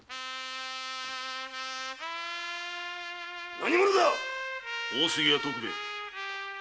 何者だ⁉大杉屋徳兵衛